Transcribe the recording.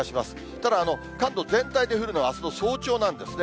ただ、関東全体で降るのはあすの早朝なんですね。